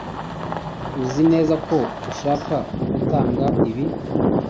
Uzi neza ko ushaka gutanga ibi?